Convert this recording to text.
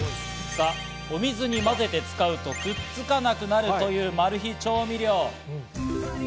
お水に混ぜて使うと、くっつかなくなるというマル秘調味料。